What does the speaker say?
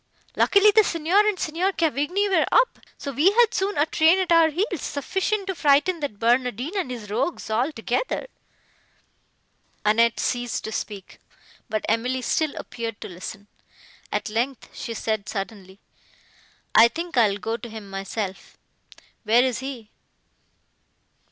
Luckily the Signor and Signor Cavigni were up, so we had soon a train at our heels, sufficient to frighten that Barnardine and his rogues, all together." Annette ceased to speak, but Emily still appeared to listen. At length she said, suddenly, "I think I will go to him myself;—where is he?"